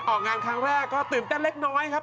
ออกงานครั้งแรกก็ตื่นเต้นเล็กน้อยครับ